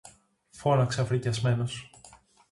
φώναξα φρικιασμένος